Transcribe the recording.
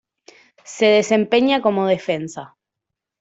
Se desempeña como defensa.